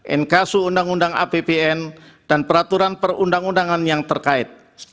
inkasu undang undang apbn dan peraturan perundang undangan yang terkait